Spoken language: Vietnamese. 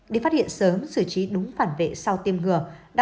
đi phát hiện sớm xử trí đúng phản vệ sau tiêm ngừa